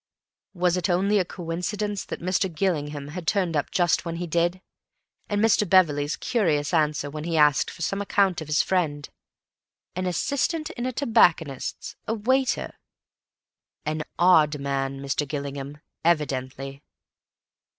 Was it only a coincidence that Mr. Gillingham had turned up just when he did? And Mr. Beverley's curious answers when asked for some account of his friend. An assistant in a tobacconist's, a waiter! An odd man, Mr. Gillingham, evidently.